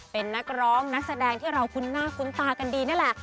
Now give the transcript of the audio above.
เป็นนักร้องนักแสดงที่เราคุ้นหน้าคุ้นตากันดีนี่แหละ